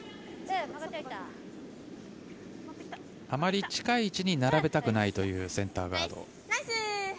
あまり近い位置に並べたくないというセンターガード。